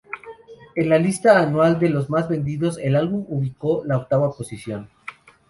En la lista anual de los más vendidos, el álbum ubicó la octava posición.